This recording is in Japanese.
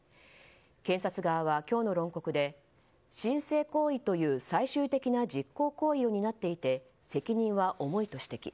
検察側は今日の論告で申請行為という最終的な実行行為を担っていて責任は重いと指摘。